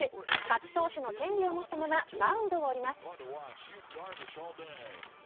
勝ち投手の権利を持ったままマウンドを降ります。